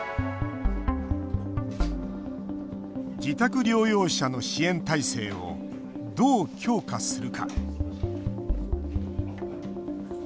自宅療養者の支援態勢をどう強化するか。